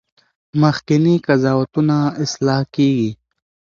مخکني قضاوتونه اصلاح کیږي.